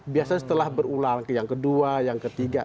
biasanya setelah berulang ke yang kedua yang ketiga